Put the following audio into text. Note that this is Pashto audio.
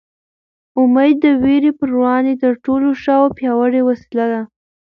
امېد د وېرې په وړاندې تر ټولو ښه او پیاوړې وسله ده.